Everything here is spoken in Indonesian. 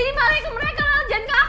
coba gak ada ceasongan